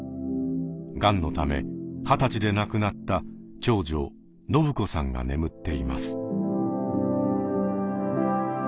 がんのため二十歳で亡くなった長女伸子さんが眠っています。